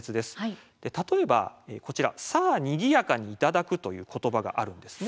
例えばこちら「さあにぎやかにいただく」という言葉があるんですね。